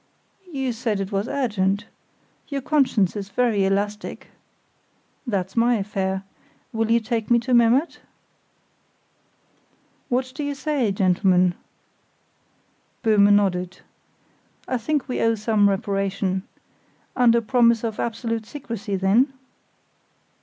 "You said it was urgent. Your conscience is very elastic." "That's my affair. Will you take me to Memmert?" "What do you say, gentlemen?" Böhme nodded. "I think we owe some reparation. Under promise of absolute secrecy, then?"